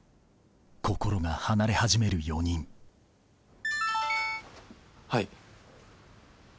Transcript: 心が離れ始める４人はい。